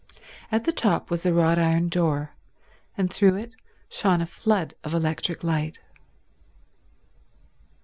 At the top was a wrought iron door, and through it shone a flood of electric light.